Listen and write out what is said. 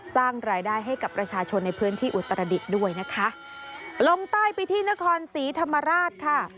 สร้างรายได้ให้กับประชาชนในพื้นที่อุตรดิษฐ์ด้วยนะคะลงใต้ไปที่นครศรีธรรมราชค่ะ